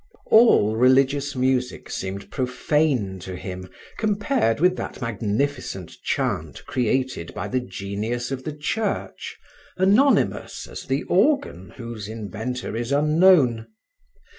All religious music seemed profane to him compared with that magnificent chant created by the genius of the Church, anonymous as the organ whose inventor is unknown.